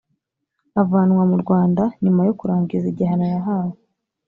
avanwa mu rwanda nyuma yo kurangiza igihano yahawe.